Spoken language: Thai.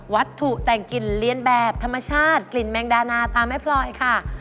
วัตถุแต่งกลิ่นเรียนแบบธรรมชาติกลิ่นแมงดานาตามแม่พลอยค่ะ